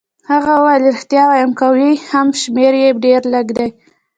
هغه وویل: ریښتیا وایم، که وي هم شمېر يې ډېر لږ دی.